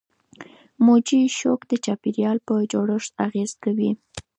موجي شوک د چاپیریال په جوړښت اغېزه کوي.